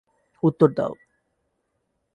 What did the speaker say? উত্তর দাও।